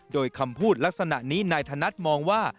โดยคำพูดลักษณะนี้นายธนัดมองว่า